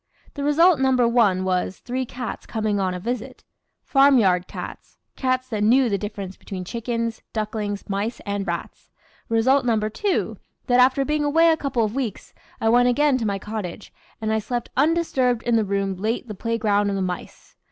The result number one was, three cats coming on a visit. Farmyard cats cats that knew the difference between chickens, ducklings, mice, and rats. Result number two, that after being away a couple of weeks, I went again to my cottage, and I slept undisturbed in the room late the play ground of the mice.